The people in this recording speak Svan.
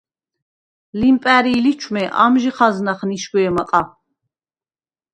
ლიმპა̈რი̄ ლიჩვმე ამჟი ხაზნახ ნიშგვეჲმჷყ-ა: